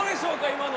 ⁉今の。